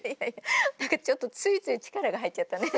何かちょっとついつい力が入っちゃったね。